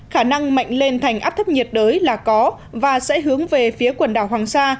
khả năng mạnh lên thành áp thấp nhiệt đới là có và sẽ hướng về phía quần đảo hoàng sa